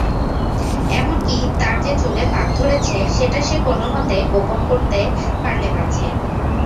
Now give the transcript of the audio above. এমন-কি, তার যে চুলে পাক ধরেছে সেটা সে কোনোমতে গোপন করতে পারলে বাঁচে।